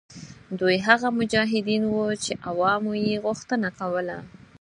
دوی هغه مجاهدین وه چې عوامو یې غوښتنه کوله.